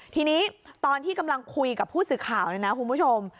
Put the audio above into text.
ทีนี้ตอนที่กำลังคุยกับผู้สื่อข่าวเนี่ยนะคุณผู้ชม